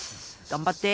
頑張って！